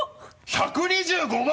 １２５万！